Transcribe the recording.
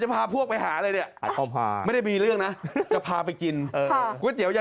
๒วันครับผมแล้วคิดว่าจะแต่งไฟกลางแค่ไหนครับ